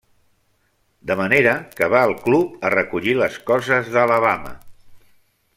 De manera que va al club a recollir les coses d'Alabama.